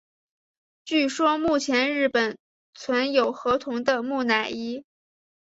据说目前日本存有河童的木乃伊。